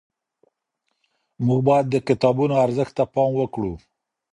موږ باید د کتابونو ارزښت ته پام وکړو.